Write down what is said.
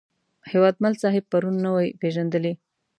هیوادمل صاحب پرون نه وې پېژندلی.